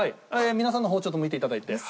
皆さんの方ちょっと向いていただいて。